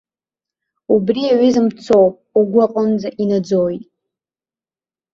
Убри аҩыза мцоуп, угәы аҟынӡа инаӡоит.